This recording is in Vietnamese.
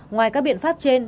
ngoài các biện pháp phù hợp